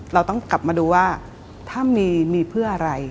เราต้องกลับมาดูว่าถ้ามีเพื่ออะไร